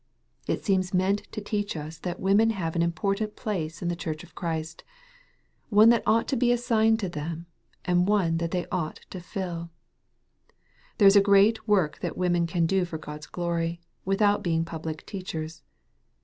It seems meant to teach us that women have an important place in the Church of Christ, one that ought to be assigned to them, and one that they ought to fill. There is a great work that women can do for Grod's glory, without being public teachers.